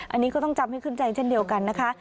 อันนี้ก็ต้องจำให้ขึ้นใจเช่นเดียวกันนะคะ